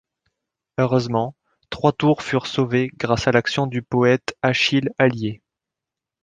Heureusement, trois tours furent sauvées grâce à l'action du poète Achille Allier.